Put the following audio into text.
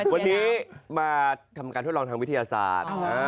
วันนี้มาทำการทดลองทางวิทยาศาสตร์